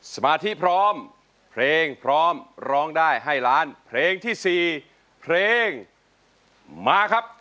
สมาธิพร้อมเพลงพร้อมร้องได้ให้ล้านเพลงที่๔เพลงมาครับ